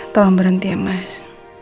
tolong berhenti ya mas